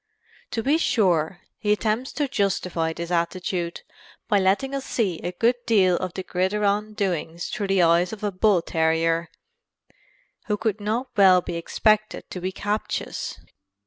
To be sure, he attempts to justify this attitude by letting us see a good deal of the gridiron doings through the eyes of a bull terrier who could not well be expected to be captious.